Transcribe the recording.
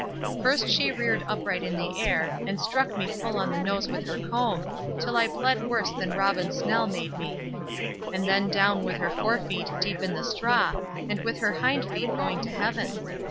First she reared upright in the air, and struck me full on the nose with her comb, till I bled worse than Robin Snell made me; and then down with her forefeet deep in the straw, and with her hind feet going to heaven.